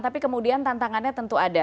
tapi kemudian tantangannya tentu ada